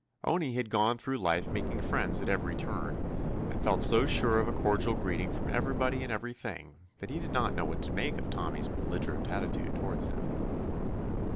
Owney had gone through life making friends at every He was a sight to daunt the bravest dog. turn, and felt so sure of a cordial greeting from everybody and every thing that he did not know what to make of Tommy's belligerent attitude toward him.